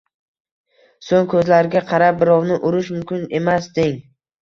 so‘ng, ko‘zlariga qarab: “Birovni urish mumkin emas”, deng.